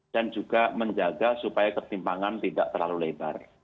dan juga menjaga supaya ketimpangan tidak terlalu lebar